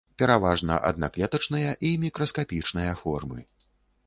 Пераважна аднаклетачныя і мікраскапічныя формы.